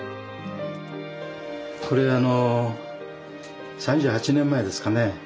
これあの３８年前ですかね。